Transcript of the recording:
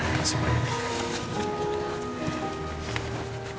terima kasih banyak